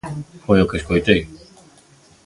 Foi o que escoitei.